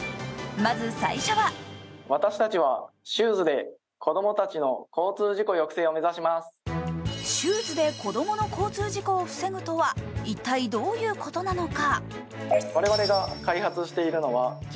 まず最初はシューズで子供の交通事故を防ぐとは一体どういうことなのか。